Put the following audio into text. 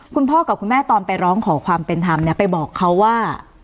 คุณพ่อกับคุณแม่ตอนไปร้องขอความเป็นธรรมเนี่ยไปบอกเขาว่า